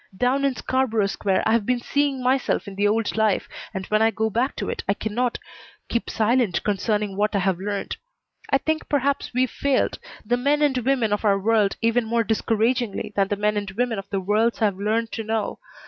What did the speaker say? Down in Scarborough Square I've been seeing myself in the old life, and when I go back to it I cannot keep silent concerning what I have learned. I think perhaps we've failed the men and women of our world even more discouragingly than the men and women of the worlds I've learned to know.